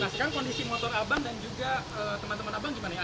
nah sekarang kondisi motor abang dan juga teman teman abang gimana ya